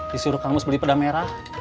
disuruh kamus beli pedang merah